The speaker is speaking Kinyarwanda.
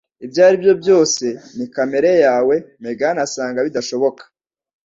Ibyo ari byo byose, ni kamere yawe Megan asanga bidashoboka.